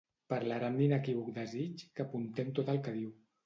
Parlarà amb l'inequívoc desig que apuntem tot el que diu.